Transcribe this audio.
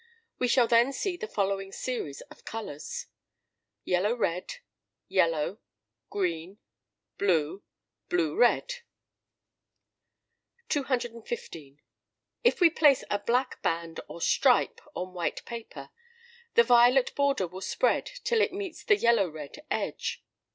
We shall then see the following series of colours: Yellow red. Yellow. Green. Blue. Blue red. 215. If we place a black band, or stripe, on white paper, the violet border will spread till it meets the yellow red edge.